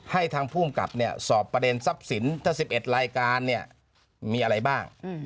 ให้ทางภูมิกับสอบประเด็นทรัพย์สินทรัพย์๑๑รายการมีอะไรบ้าง